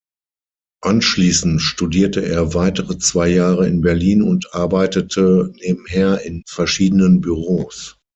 Anschließend studierte er weitere zwei Jahre in Berlin und arbeitete nebenher in verschiedenen Büros.